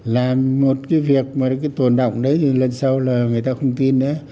làm một cái việc mà cái tồn động đấy thì lần sau là người ta không tin nữa